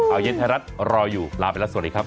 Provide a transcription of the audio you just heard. เอาเย็นไทยรัฐรออยู่ลาไปแล้วสวัสดีครับ